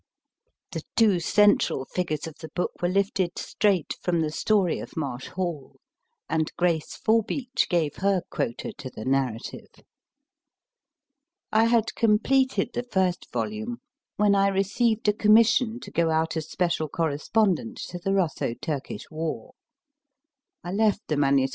The two central figures of the book were lifted straight from the story of Marsh Hall, and Grace Forbeach gave her quota to the narrative. I had completed the first volume when I received a commission to go out as special correspondent to the Russo Turkish war. I left the MS.